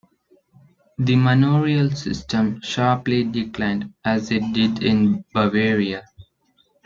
The manorial system sharply declined, as it did in Bavaria.